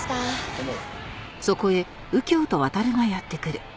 どうも。